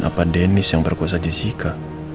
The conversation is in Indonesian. apa dennis yang berkuasa jessica